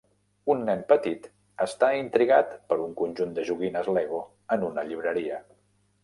Un nen petit està intrigat per un conjunt de joguines Lego en una llibreria.